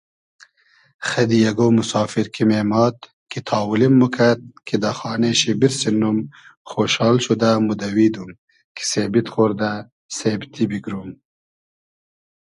خئدی یئگۉ موسافیر کی مېماد کی تاولیم موکئد کی دۂ خانې شی بیرسینوم خۉشال شودۂ مودئویدوم کی سېبید خۉردۂ سېبتی بیگروم